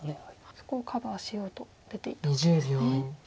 そこをカバーしようと出ていったわけですね。